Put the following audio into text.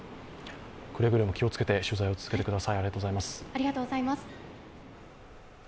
くれぐれも気をつけて取材を続けてください。